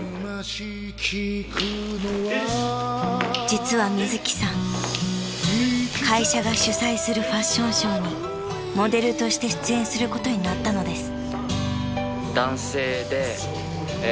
［実はみずきさん会社が主催するファッションショーにモデルとして出演することになったのです］